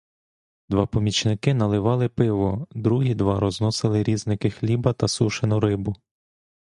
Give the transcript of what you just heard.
Два помічники наливали пиво, другі два розносили різники хліба та сушену рибу.